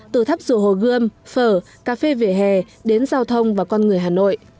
từ thắp rượu hồ gươm phở cà phê vỉa hè đến giao thông và con người hà nội